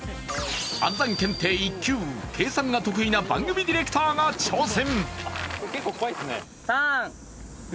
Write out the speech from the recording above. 暗算検定１級、計算が得意な番組ディレクターが挑戦。